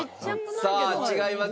さあ違います。